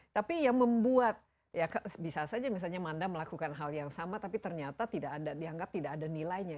tapi yang membuat ya bisa saja misalnya manda melakukan hal yang sama tapi ternyata dianggap tidak ada nilainya